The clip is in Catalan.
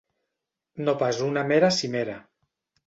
No pas una mera cimera.